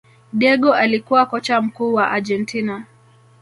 Diego alikuwa kocha mkuu wa Argentina